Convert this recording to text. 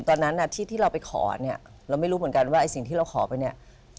ตอนนั้นที่เราไปขอเนี่ยเราไม่รู้เหมือนกันว่าไอ้สิ่งที่เราขอไปเนี่ย